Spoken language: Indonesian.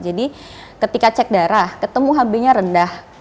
jadi ketika cek darah ketemu hb nya rendah